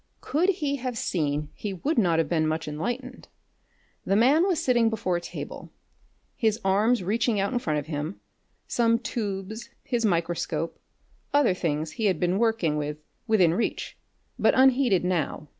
Could he have seen he would not have been much enlightened. The man was sitting before a table, his arms reaching out in front of him some tubes, his microscope, other things he had been working with within reach, but unheeded now.